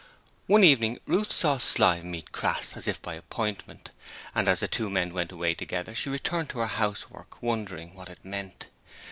One evening, Ruth saw Slyme meet Crass as if by appointment and as the two men went away together she returned to her housework wondering what it meant.